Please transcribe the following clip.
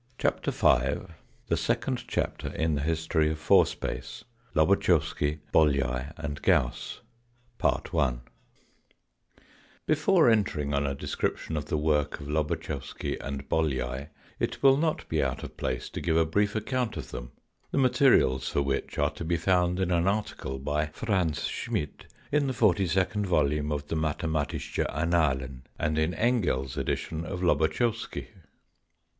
CHAPTER V THE SECOND CHAPTER IN THE HISTORY OF FOUR SPACE LOBATCHEWSKY, BOLYAI, AND GAUSS BEFORE entering on a description of the work of Lobatchewsky and Bolyai it will not be out of place to give a brief account of them, the materials for which are to be found in an article by Franz Schmidt in the forty second volume of the Mathematische Annalen, and in Engel's edition of Lobatchewsky.